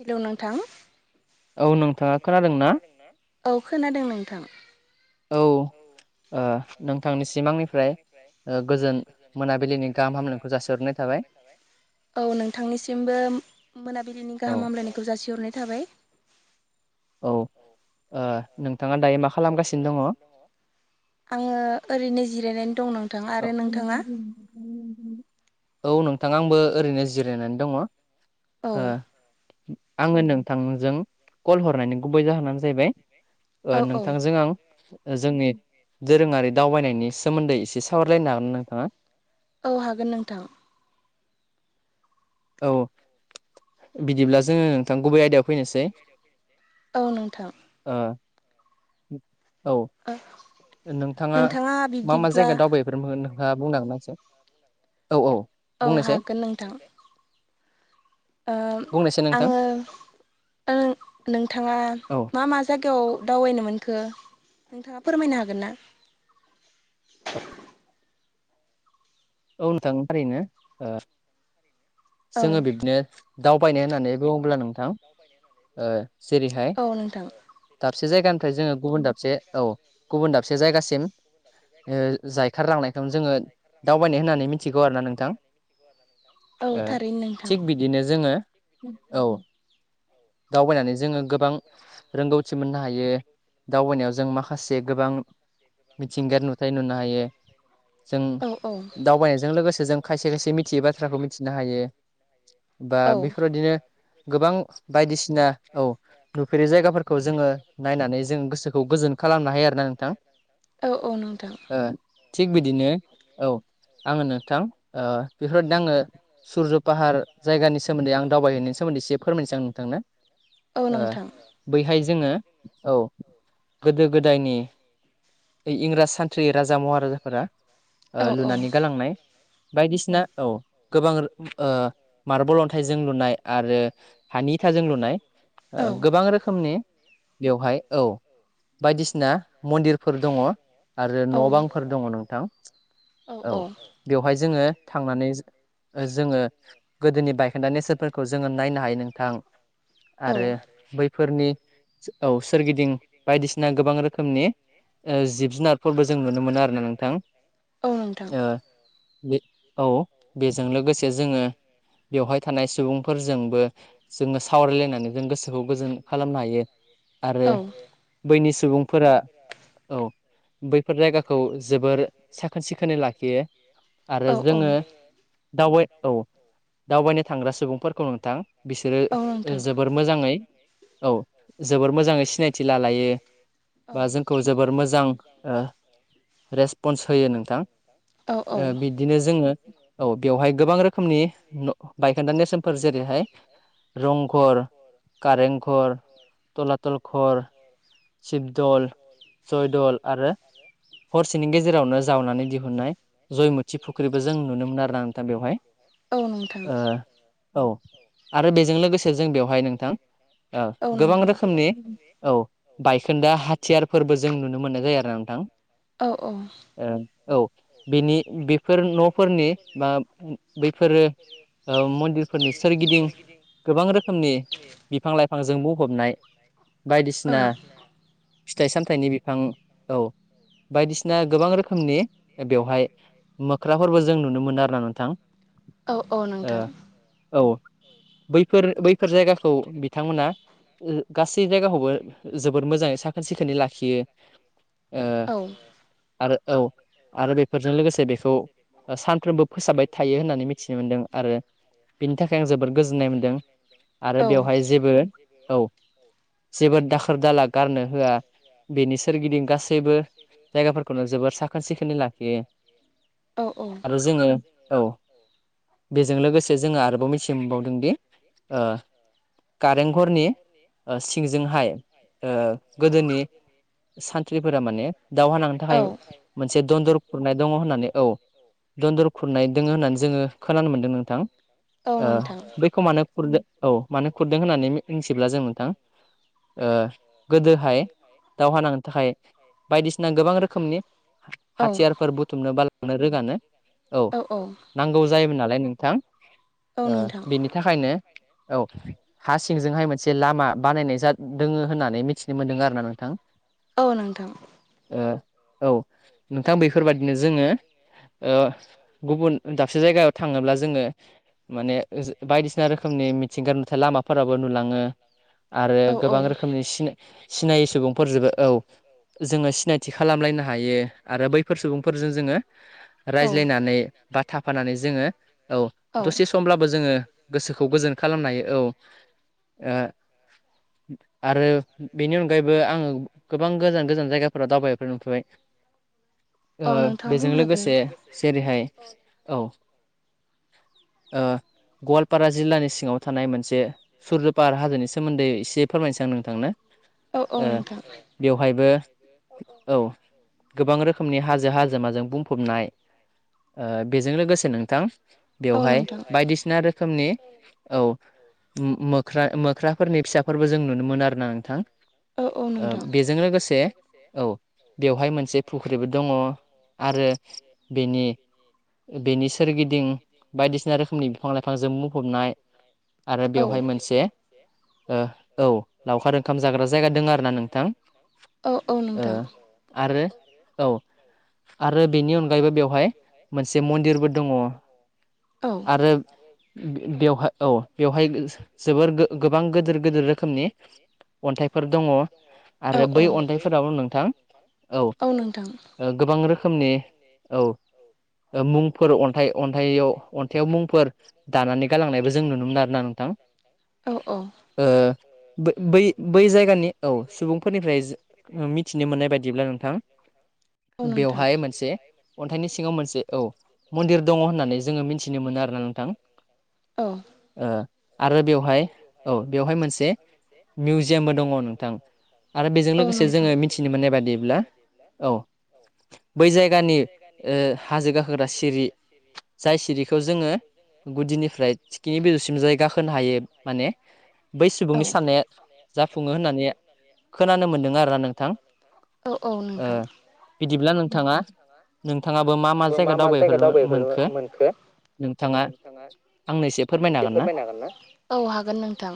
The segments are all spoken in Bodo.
हेलौ नोंथां औ नोंथाङा खोनादोंना औ खोनादों नोंथां औ नोंथांनि सिमांनिफ्राय गोजोन मोनाबिलिनि गाहाम हामलायखौ जाासहरनाय थाबाय औ नोंथांनिसिमबो मोनाबिलिनि गाहाम हामलायनायखौ जासिहरनाय थाबाय औ नोंथाङा दायो मा आङो ओरैनो जिरायनानै दं नों औ [unintelligible] औ नोंथाङा आंबो ओरैनो जिरायनानै दङ औ आङो नोंथांजों कल हरनायनि गुबै जाहोनानो जाहैबाय नोंथांजों आं जोंनि दोरोङारि दावबायनायनि सोमोन्दै एसे सो थाबरलायनो हागोना नोंथाङा? औ हागोन नोंथां औ बिदिब्ला जोङो नोंथां गुबै आयदायाव फैनोसै औ नोंथां [inaudible] औ नोंथाङा मा मा जायगायाव दावबायफोर हा बुंनो हागोन ना एसे? औ हागोन नोंथां ओ आङो नोंथाङा मा मा जायगायाव दावबायनो मोन। खो नोंथाङा फोरमायनो हागोन ना? औ नोंथां थारैनो ओ जोङो बिबदिनो दावबायनाय होननानै बुङोब्ला नोंथां ओ जेरैहाय दाबसे जायगानिफ्राय जोङो गुबुन दाबसे औ गुबुन दाबसे जायगासिम ओ जायखारलांनायखौनो जोङो दावबायनाय होननानै मिथिगौ आरोना नोंथां थिग बिदिनो जोङो औ दावबायनानै जोङो गोबां रोंगौथि मोननो हायो दावबायनायाव जों मा माखासे गोबां मिथिंग नुथाय नुनो हायो जों दावबायनायजों लोगोसे जों खायसे खायसे मिथियै बाथ्राखौ मिथिनो हायो। बा बेफोरबायदिनो गोबां बायदिसिना ना औ नुफेरि जायगाफोरखौ जोङो नायनानै जोंङो गोसोखौ गोजोन खालामनो हायो आरो ना नोंथां औ औ नोंथां थिग बिदिनो औ आङो नोंथां ओ बेफोरबायदिनो आङो सुरज' पाहार जायगानि सोमोनदै आं दावबायहैनायनि सोमोनदै एसे फोरमायनोसै आं नोंथांनो ओ बैहाय जोङो औ गोदो गोदायनि बे इंराज सानथ्रि राजा महाराजाफोरा ओ लुनानै गालांनाय बायदिसिना औ गोबां ओ मारबल अनथाइजों लुनाय आरो हानि इथाजों लुनाय ओ गोबां बां रोखोमनि बेवहाय औ बायदिसिना मनदिरफोर दङ आरो न' बांफोर दङ नोंथां। औ बेवहाय जोङो थांनानै जोङो गोदोनि बायखोदा नेसोरफोरखौ जोङो नायनो हायो नोंथां आरो बैफोरनि औ सोरगिदिं बायदिसिना गोबां रोखोमनि ओ जिब जुनारफोरबो जों नुनो मोनो आरो ना नोंथां ओ बे औ बेजों लोगोसे जोङो बेवहाय थानाय सुबुंफोरजोंबो जोङो सावरायलायनानै जों गोसोखौ गोजोन खालामनो हायो औ बैनि सुबुंफोरा औ बैफोर जायगाखौ जोबोर साखोन सिखोनै लाखियो आरो जोङो दावबाय औ दावबायनो थांग्रा सुबुंफोरखौ नोंथां बिसोरो जोबोर मोजाङै औ जोबोर मोजाङै सिनायथि लालायो बा जोंखौ जोबोर मोजां ओ रेसपन्स होयो नोंथां बिदिनो जोङो औ बेवहाय गोबां रोखोमनि बायखोनदा नेरसोनफोर जेरैहाय रंघर कारेंघर थलाथल घर शिबदल जयदल आरो हरसेनि गेजेरावनो जावनानै दिहुननाय जयमुथि फुख्रिबो जों नुनो मोन आरोना बेवहाय औ नोंथां औ आरो बेजों लोगोसे जों बेवहाय नोंथां ओ गोबां रोखोमनि औ बायखोनदा हाथियारफोरबो जों नुनो मोननाय जायो आरोना नोंथां ओ औ बेनि बेफोर न'फोरनि बा बैफोरो ओ मनदिरफोरनि सोरगिदिं गोबां रोखोमनि बिफां लाइफांजों बुंफबनाय बायदिसिना फिथाइ सामथायाइनि बिफां औ बायदिसिना गोबां रोखोमनि बेवहाय मोख्राफोरबो जों नुनो मोनो आरोना नोंथां ओ औ बैफोर बैफोर जायगाखौ बिथांमोना गासै जायगाखौबो मोजाङै साखोन सिखोनै लाखियो औ औ आरो बेफोरजों लोगोसे बेखौ सानफ्रोमबो फोसाबबाय थायो होननानै मिथिनो मोन्दों आरो बिनि थाखाय आं जोबोद गोजोननाय मोनदों आरो बेवहाय जेबो औ जेबो दाख खोर दाला गारनो होआ बेनि सोरगिदिं गासैबो जायगाफोरखौनो जोबोर साखोन सिखोनै ला खियो आरो जोङो औ बेजों लोगोसे जोङो आरोबाव मिथिनो मोनबावदोंदि कारेंघरनि सिंजोंहाय गोदोनि सानथ्रिफोरा माने दावहा नांनो थाखाय मोनसे दन्दर खुरनाय दङ होननानै औ दनन्दर खुरनाय दङ होननानै जोङो खोनानो मोनदों नोंथां बैखौ मानो खुरदों औ मानो खुरदों होननानै मिथिब्ला जों नोंथां गोदोहाय दावहा नांनो थाखाय बायदिसिना गोबां रोखोमनि हाथियारफोर बुथुमनो बा लांनो रोगानो औ नांगौ जायोमोन नालाय नोंथां बेनि थाखायनो औ हा सिंजोंहाय मोनसे लामा बानायनाय दङ होननानै नानै मिथिनो मोनदों आरो ना नोंथां। औ नोंथां औ नोंथां बैफोरबायदिनो जोङो गुबुन दाबसे जायगायाव थाङोब्ला जोङो माने बायदिसिना रोखोमनि मिथिंगा नुथाय लामाफोराबो नुलाङो आरो गोबां रोखोम खोमनि सिनायै सुबुंफोरजोबो औ जोङो सिनायथि खालामलायनो हायो आरो बैफोर सुबुंफोरजों जोङो रायज्लायनानै बा थाफानानै जों औ दसे समब्लाबो जोङो गोसोखौ गोजोन खालामनो हायो औ आरो बेनि अनगायैबो आङो गोबां गोजान गोजान जायगाफोराव दावबायफेरनो मोनबाय। बेजों लोगोसे जेरैहाय औ गवालपारा जिल्लानि सिङाव थानाय मोनसे सुरज' पाहार हाजोनि सोमोन्दै एसे फोरमायनोसै आं नोंथांनो। उम बेवहायबो औ गोबां रोखोमनि हाजो हाजोमाजों बुंफबनाय। बेजों लोगोसे नोंथां बेवहाय बायदिसिना रोखोमनि औ उम मो ख्रा मोख्राफोरनि फिसाफोरबो जों नुनो मोनो आरोना। बेजों लोगोसे औ बेवहाय मोनसे फुख्रिबो दङ आरो बेनि बेनि सोरगिदिं बायदिसिना रोखोमनि बिफां लाइफांजों बुंफबनाय आरो बेवहाय मोनसे औ लावखार ओंखाम जाग्रा जायगा दङ आरो ना नोंथां। औ औ नोंथां आरो बेनि अनगायैबो बेवहाय मोनसे मन्दिरबो दङ। आरो बेयावहाय औ बेवहाय जोबोर गोबां गोदोर गोदोर रोखोम नि अन्थाइफोर दङ आरो बै अन्थाइफोराव नोंथां औ गोबां रोखोमनि औ मुंफोर अन्थाइ अन्थाइयाव अन्थाइयाव मुंफोर दानानै गालांनायबो जों नुनो मोनो आरोना नोंथां। ओ बै बै बै जायगानि औ सुबुंफोरनिफ्राय मिथिनो मोननाय बायदिब्ला नोंथां बेवहाय मोनसे मोनसे खथनि सिङाव मोनसे मन्दिर दङ होननानै जोङो मिथिनो मोनो आरो नोंथां। औ आरो बेवहाय औ बेवहाय मोनसे मिउजियामबो दङ नोंथां आरो बेजों लोगोसे जोङो मिथिनो मोननाय बादिब्ला औ बै जायगा बै जायगानि [unintelligible] जाय सिरिखौ जोङो गुदिनिफ्राय थिखिनि बिजौसिम जाय गाखोनो हायो माने बै सुबुंनि साननाया औ औ नोंथां बिदिब्ला नोंथाङा नोंथाङाबो मा मा जायगा दावबायफोर मोनखो? नोंथाङा आंनैसो फोरमायनो हागोन ना? औ हागोन नोंथां।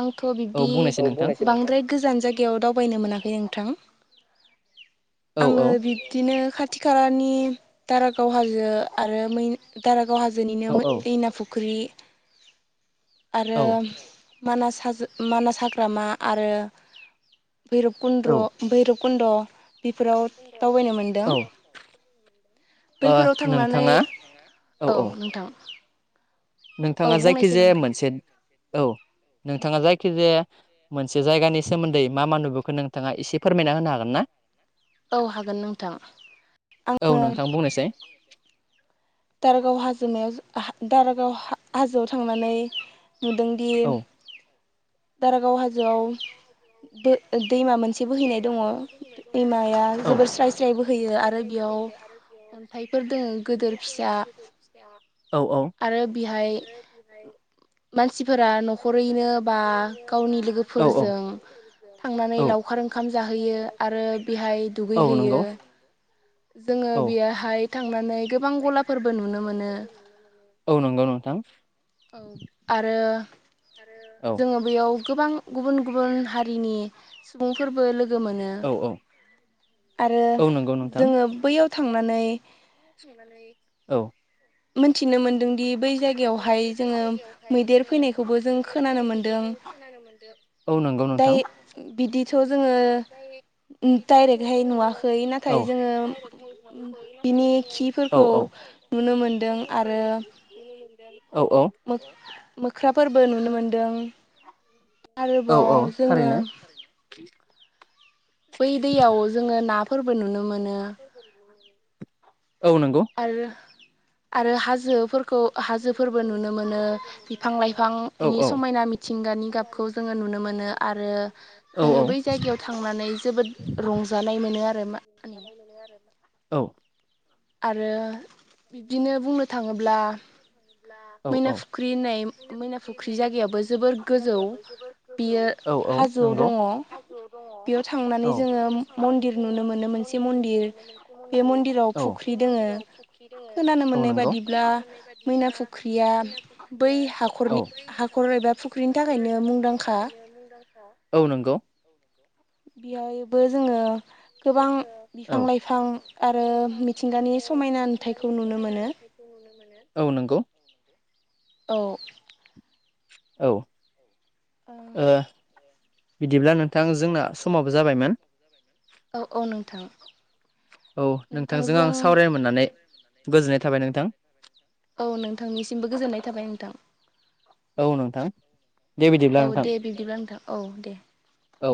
आंथ बिब्दि बांद्राय गोजान जायगायाव दावबायनो मोनाखै नोंथां। आङो बि दिनो खाथि खालानि दारागाव हाजो आरो दारागाव गाव हाजोनिनो दैना फुख्रि आरो मानास हाग्रामा आरो भैरब कुन्द्र भैरब कुन्द बेफोराव दावबायनो मोनदों। बैफोराव थांनानै औ नोंथां नोंथाङा जायखिजाया मोनसे औ नोंथाङा जायखिजाया मोनसे जायगानि सोमोन्दै मा मा बेखौ नोंथाङा एसे फोरमायना होनो हागोन ना? औ हागोन नोंथां आङो दारागाव हाजायाव दारागाव हाजोआव थांनानै नुदोंदि दारागाव हाजोआव दै दैमा मोनसे एसे बोहैनाय दङ दैमाया जोबोर स्राय स्राय बोहैयो आरो बेयाव अन्थाइ फोर दोङ गिदोर फिसा आरो बेहाय मानसिफोरा नखरैनो बा गावनि लोगोफोरजों थांनानै लावखार ओंखाम ज जाहोयो आरो बेहाय दुगैहैयो जोङो बेयहाय थांनानै गोबां गलाफोर औ नंगौ नोंथां। औ आरो जोङो बेयाव गोबां गुबुन गुबुन हारिनि सुबुंफोरबो। लोगो मोनो आरो जोङो बैयाव थांनानै औ मोनथिनो मोन। दि बै जायगायावहाय जोङो मैदेर फैनायखौबो जों खोनानो मोनदों। दा बिदिथ' जोङो। दै औ औ औ। नुनो मोनदों। आरो मोख्राफोरबो नुनो मोनदों। औ औ थारैनो। बै दैयाव जोङो नाफोरबो नुनो मोनो आथ ज औ नंगौ आरो हाजो। खौ हाजोफोरबो नुनो मोनो बिफां लाइफांनि समायना मिथिंगानि गाबखौ जोङो नुनो मोनो। नुनो मोनो आरो जोङो बै जायगायाव थांनानै जोबोद रंजानाय मोनो आरो औ। आरो बिब्दिनो बुंनो। नो थाङोब्ला मैना फुख्रि होननाय मैना फुख्रि जायगायाबो जोबोर गोजौ। बियो हाजोआव दङ' बेयाव थांनानै जोङो मन्दिर नु नो मोनो मोनसे मन्दिर बे मनदिराव फु बे मन्दिराव फुख्रि दोङो औ नंगौ। खोनानो मोननाय बादिब्ला मैना फुख्रिया ओ बै हाखरनि हाखर एबा। बेनि‌ थाखायनो मुंदांखा औ नंगौ। बेहायबो जोङो। गोबां बिफां लाइफां आरो मिथिंगानि समायना नुथायखौ नुनो मोनो। औ नंगौ। औ। ओ बिदिब्ला नोंथां जोंना समाबो जाबायमोन। औ औ नोंथां। औ नोंथांजों आं सावरायनो मोननानै गोजोननाय थाबाय नोंथां। औ नोंथांनिसिमबो गोजोननाय थाबाय नोंथां। औ नोंथां। दे बिदिब्ला नोंथां औ।